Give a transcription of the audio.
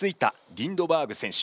リンドバーグ選手。